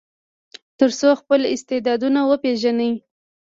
تر څو خپل استعدادونه وپیژني.